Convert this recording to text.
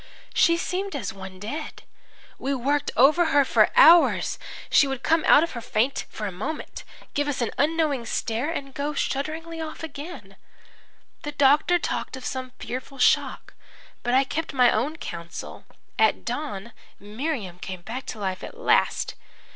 She seemed as one dead. We worked over her for hours. She would come out of her faint for a moment, give us an unknowing stare and go shudderingly off again. "The doctor talked of some fearful shock, but I kept my own counsel. At dawn Miriam came back to life at last.